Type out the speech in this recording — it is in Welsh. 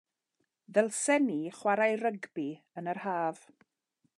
Ddylsen ni chwarae rygbi yn yr Haf?